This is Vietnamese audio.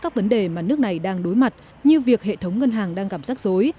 các vấn đề mà nước này đang đối mặt như việc hệ thống ngân hàng đang cảm giác dối